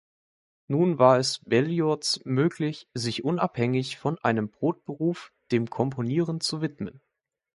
Nun war es Berlioz möglich, sich unabhängig von einem Brotberuf dem Komponieren zu widmen.